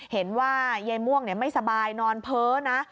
เห็นว่ายายม่วงไม่สบายนอนเพ้อนะ